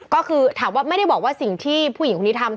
ก็คือถามว่าไม่ได้บอกว่าสิ่งที่ผู้หญิงคนนี้ทำ